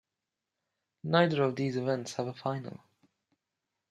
Neither of these events have a final.